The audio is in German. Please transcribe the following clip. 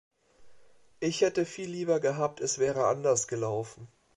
Ich hätte viel lieber gehabt, es wäre anders gelaufen.